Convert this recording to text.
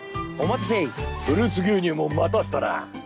フルーツ牛乳も待たせたな！